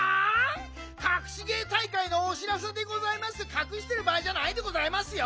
かくしてるばあいじゃないでございますよ。